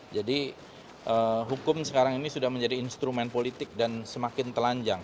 jadi hukum sekarang ini sudah menjadi instrumen politik dan semakin telanjang